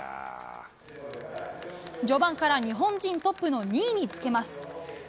序盤から日本人トップの２位につけます。